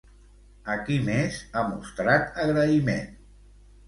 A qui més ha mostrat agraïment?